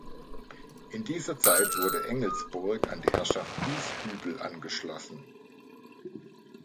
In dieser Zeit wurde Engelsburg an die Herrschaft Gießhübel angeschlossen.